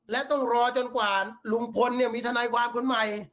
และต้องรอจนกว่าลุงพลมีทนายความคนใหม่